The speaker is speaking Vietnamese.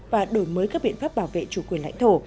và đổi mới các biện pháp bảo vệ chủ quyền lãnh thổ